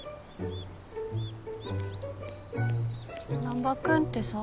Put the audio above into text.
難破君ってさ。